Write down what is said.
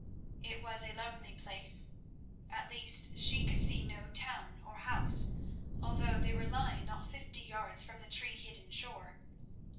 It was a lonely place—at least, she could see no town or house, although they were lying not fifty yards from the tree hidden shore.